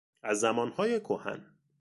از زمانهای کهن